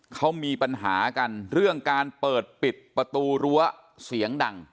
เขามีปัญหากันเรื่องการเปิดปิดประตูรั้วเสียงดัง